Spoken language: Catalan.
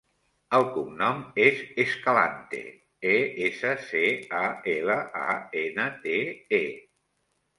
El cognom és Escalante: e, essa, ce, a, ela, a, ena, te, e.